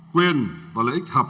quyền và lợi ích hợp lý